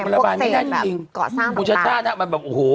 มันระบายไม่ได้จริงจริงแบบเกาะสร้างต่างบุญชาติฮะมันแบบโอ้โห